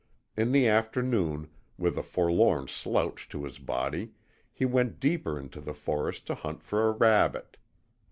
In the afternoon, with a forlorn slouch to his body, he went deeper into the forest to hunt for a rabbit.